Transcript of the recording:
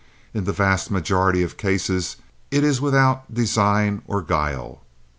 In the vast majority of cases it is without design or guile.